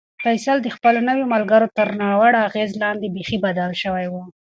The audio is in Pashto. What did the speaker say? فیصل د خپلو نویو ملګرو تر ناوړه اغېز لاندې بیخي بدل شوی و.